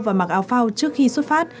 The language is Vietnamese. và mặc áo phao trước khi xuất phát